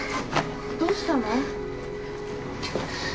・どうしたの？